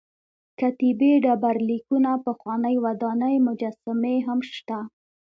کتیبې ډبر لیکونه پخوانۍ ودانۍ مجسمې هم شته.